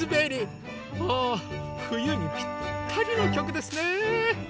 ああふゆにぴったりのきょくですね。